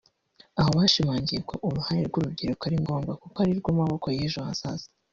aho bashimangiye ko uruhare rw’urubyiruko ari ngombwa kuko arirwo maboko y’ejo hazaza